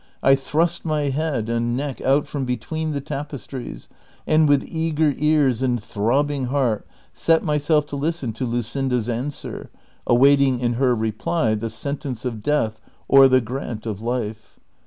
" I thrust my head and neck out fi'om between the tapestries, and with eager ears and throbbing heart set myself to listen to Luscinda's answer, awaiting in her reply the sentence of death or the grant of life.